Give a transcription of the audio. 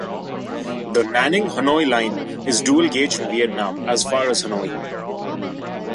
The Nanning-Hanoi line is dual gauge in Vietnam as far as Hanoi.